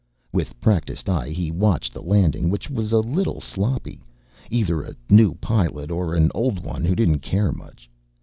With practiced eye he watched the landing which was a little sloppy, either a new pilot or an old one who didn't care much.